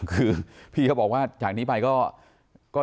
คือพี่เขาบอกว่าจากนี้ไปก็